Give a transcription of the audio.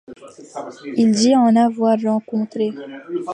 Il dit en avoir rencontré.